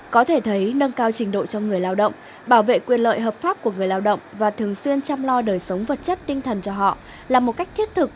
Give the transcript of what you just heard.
có thể thấy nâng cao trình độ cho người lao động bảo vệ quyền lợi hợp pháp của người lao động và thường xuyên chăm lo đời sống vật chất tinh thần cho họ là một cách thiết thực